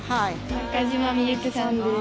中島みゆきさんです。